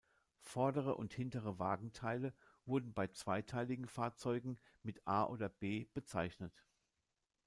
Vordere und hintere Wagenteile wurden bei zweiteiligen Fahrzeugen mit „a“ oder „b“ bezeichnet.